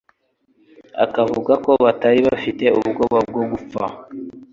Akavuga ko batari bafite ubwoba bwo gupfa,